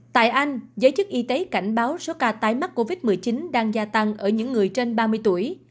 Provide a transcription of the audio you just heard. tại anh giới chức y tế cảnh báo số ca tái mắc covid một mươi chín đang gia tăng ở những người trên ba mươi tuổi